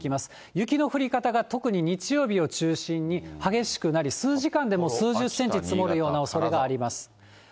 雪の降り方が特に日曜日を中心に、激しくなり、数時間でも数十センチ積もるようなおそれがあります。